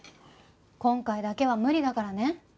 今回だけは無理だからね。